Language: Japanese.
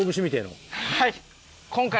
はい。